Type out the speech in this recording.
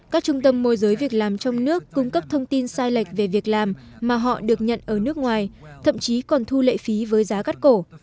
các trung tâm môi giới việc làm trong nước cung cấp thông tin sai lệch về việc làm mà họ được nhận ở nước ngoài thậm chí còn thu lệ phí với giá cắt cổ